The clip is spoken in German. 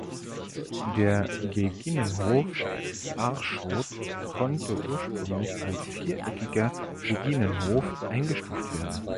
Der Beginenhof Aarschot konnte ursprünglich als viereckiger Beginenhof eingestuft werden.